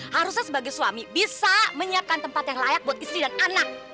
harusnya sebagai suami bisa menyiapkan tempat yang layak buat istri dan anak